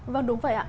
vâng đúng vậy ạ